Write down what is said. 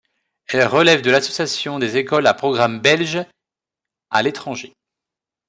Elle relève de l'Association des écoles à programme belge à l'étranger.